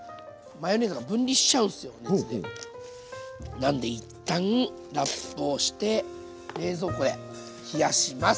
なんで一旦ラップをして冷蔵庫で冷やします。